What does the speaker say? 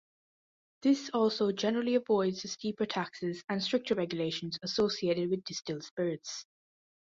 This also generally avoids the steeper taxes and stricter regulations associated with distilled spirits.